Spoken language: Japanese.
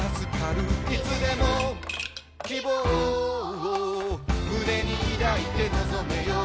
「いつでも希望を胸にいだいて望めよ」